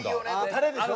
タレでしょ？